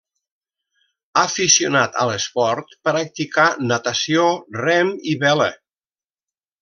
Aficionat a l'esport, practicà natació, rem i vela.